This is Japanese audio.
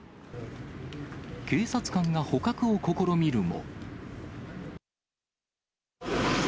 警察官が捕獲を試みるも。